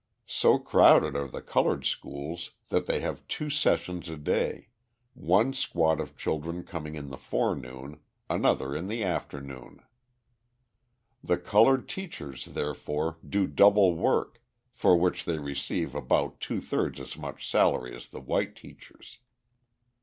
So crowded are the coloured schools that they have two sessions a day, one squad of children coming in the forenoon, another in the afternoon. The coloured teachers, therefore, do double work, for which they receive about two thirds as much salary as the white teachers.